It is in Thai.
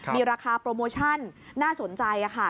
มีราคาโปรโมชั่นน่าสนใจค่ะ